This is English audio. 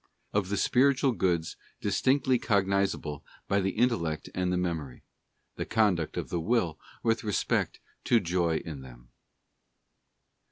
Of the Spiritual Goods distinctly cognisable by the Intellect and, the Memory. The conduct of the Will with respect to Joy in them.